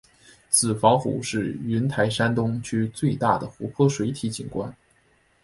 子房湖是云台山东区最大的湖泊水体景观。